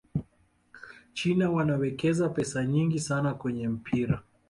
china wanawekeza pesa nyingi sana kwenye mpira